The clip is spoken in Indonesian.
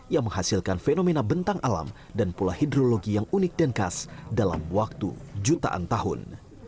yang menghasilkan fenomena bentang alam dan pula hidrologi yang unik dan khas dalam waktu jutaan tahun